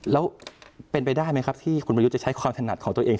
แล้วเป็นไปได้ไหมครับที่คุณประยุทธ์จะใช้ความถนัดของตัวเอง